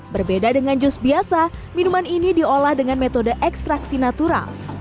berbeda dengan jus biasa minuman ini diolah dengan metode ekstraksi natural